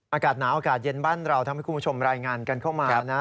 อากาศหนาวอากาศเย็นบ้านเราทำให้คุณผู้ชมรายงานกันเข้ามานะ